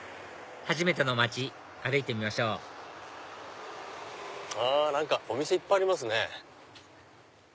初めての街歩いてみましょう何かお店いっぱいありますね。